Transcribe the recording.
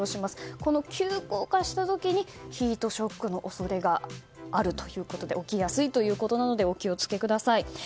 この急降下した時にヒートショックの恐れがあるということで起きやすいということなのでお気をつけください。